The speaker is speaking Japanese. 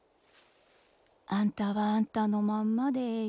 あんたはあんたのまんまでええよ